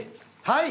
はい！